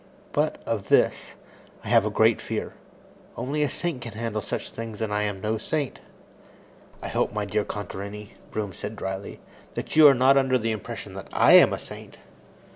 "But, of this, I have a great fear. Only a saint can handle such things, and I am no saint." "I hope, my dear Contarini," Broom said dryly, "that you are not under the impression that I am a saint."